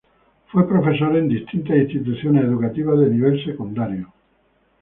Fue profesor en distintas instituciones educativas de nivel secundario.